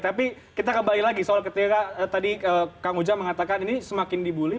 tapi kita kembali lagi soal ketika tadi kang ujang mengatakan ini semakin dibully